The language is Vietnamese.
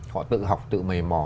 họ tự học tự mầy mò